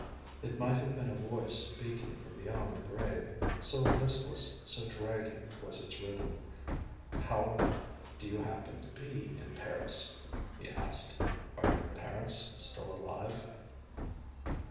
It might have been a voice speaking from beyond the grave, so listless, so dragging was its rhythm. "How do you happen to be in Paris?" he asked. "Are your parents still alive?"